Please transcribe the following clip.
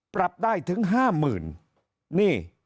ปรับได้ถึง๕๐๐๐๐บาท